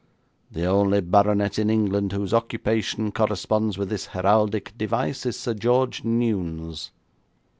The only baronet in England whose occupation corresponds with this heraldic device is Sir George Newnes.'